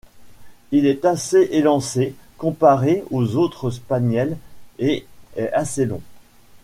Il est assez élancé, comparé aux autres spaniels, et est assez long.